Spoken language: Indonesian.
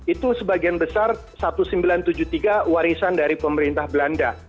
itu sebagian besar seribu sembilan ratus tujuh puluh tiga warisan dari pemerintah belanda